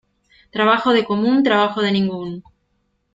Trabajo de común, trabajo de ningún.